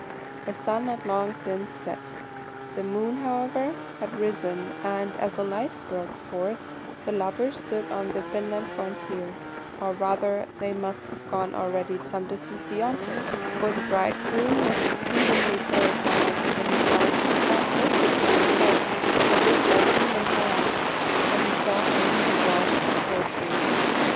The sun had long since set. The moon, however, had risen, and, as a light broke forth, the lovers stood on the Finland frontier, or rather they must have gone already some distance beyond it, for the bridegroom was exceedingly terrified when he found his cap lifted from his head, as if by human hand, though he saw only the branch of a fir tree.